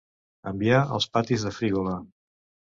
Enviar als patis de Frígola.